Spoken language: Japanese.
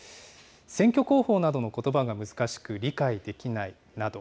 選挙公報などのことばが難しく理解できないなど。